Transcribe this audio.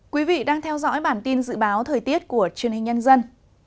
quý vị đang theo dõi bản tin dự báo thời tiết của truyền hình nhân dân